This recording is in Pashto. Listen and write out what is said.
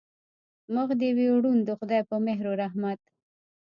مخ دې وي روڼ د خدای په مهر و رحمت.